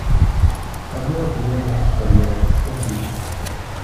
Kabua began his career as a school teacher.